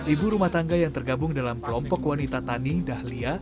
ibu rumah tangga yang tergabung dalam kelompok wanita tani dahlia